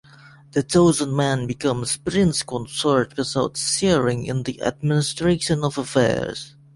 The chosen man becomes prince-consort without sharing in the administration of affairs.